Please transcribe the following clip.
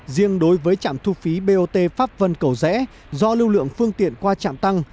riêng đối với trạm thu phí bot pháp vân cầu rẽ do lưu lượng phương tiện qua trạm tăng